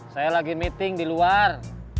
saya lagi meeting di luar